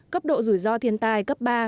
cấp độ rủi ro thiên tai cấp ba